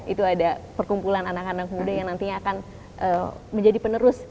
itu ada perkumpulan anak anak muda yang nantinya akan menjadi penerus